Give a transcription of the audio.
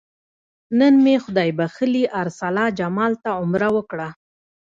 نن مې خدای بښلي ارسلا جمال ته عمره وکړه.